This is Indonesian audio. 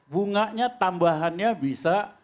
bunganya tambahannya bisa